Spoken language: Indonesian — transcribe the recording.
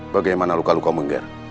bagaimana luka lukamu gar